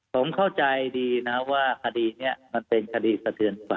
ผมเข้าใจดีนะว่าคดีนี้มันเป็นคดีสะเทือนฝ่า